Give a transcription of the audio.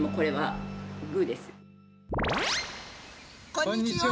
こんにちは。